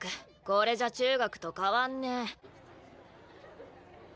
これじゃ中学と変わんね。